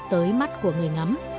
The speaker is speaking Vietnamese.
tới mắt của người ngắm